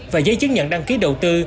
và giấy chứng nhận đăng ký đầu tư